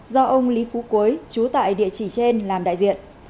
do ông lý phú quế chú tại địa chỉ trên làm đại diện